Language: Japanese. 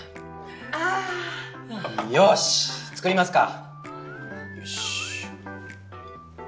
あ！よし！作りますか。